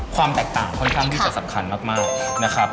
ความแตกต่างค่อนข้างที่จะสำคัญมากนะครับ